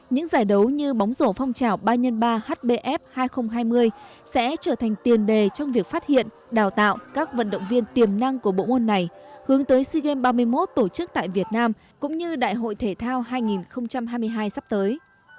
những giải đấu như bóng rổ phong trào ba x ba hbf hai nghìn hai mươi sẽ trở thành tiền đề trong việc phát hiện đào tạo các vận động viên tiềm năng của bộ môn này hướng tới sea games ba mươi một tổ chức tại việt nam cũng như đại hội thể thao hai nghìn hai mươi hai sắp tới